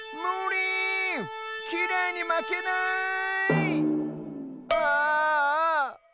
きれいにまけない！ああ。